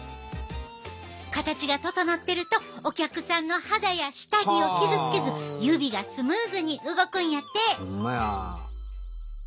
形が整ってるとお客さんの肌や下着を傷つけず指がスムーズに動くんやて。